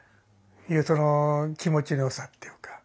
その気持ちのよさっていうか。